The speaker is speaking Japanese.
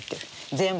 全部。